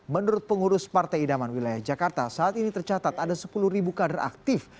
menurut pengurus partai idaman wilayah jakarta saat ini tercatat ada sepuluh kader aktif